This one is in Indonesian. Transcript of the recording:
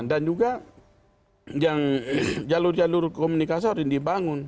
dan juga jalur jalur komunikasi harus dibangun